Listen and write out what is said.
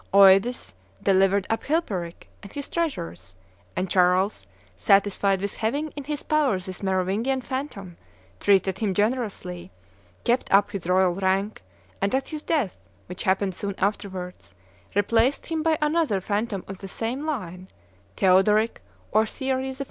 Eudes delivered up Chilperic and his treasures; and Charles, satisfied with having in his power this Merovingian phantom, treated him generously, kept up his royal rank, and at his death, which happened soon afterwards, replaced him by another phantom of the same line, Theodoric or Thierry IV.